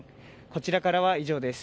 こちらからは以上です。